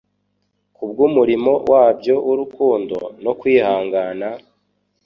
kubw'umurimo wabyo w'urukundo no kwihangana,